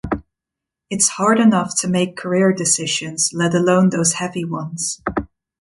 It's hard enough to make career decisions let alone those heavy ones.